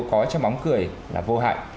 có trong bóng cười là vô hại